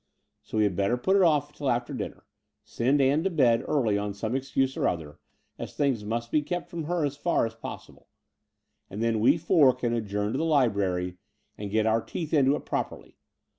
So we had better put it oflE till after dinner. Send Ann to bed early on some excuse or other, as things must be kept from her as far as possible ; and then we four can adjourn to the library and get our teeth into it properly.